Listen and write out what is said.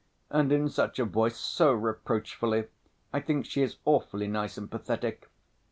And in such a voice, so reproachfully! I think she is awfully nice and pathetic."